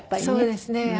そうですね。